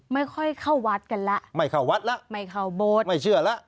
ไม่ค่อยเข้าวัดกันแล้วไม่เข้าวัดแล้วไม่เข้าโบสถ์ไม่เชื่อแล้ว